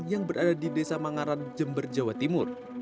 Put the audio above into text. yang berada di desa mangaran jember jawa timur